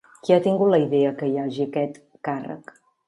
Qui ha tingut la idea que hi hagi aquest càrrec?